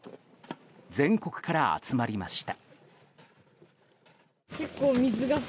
全国から集まりました。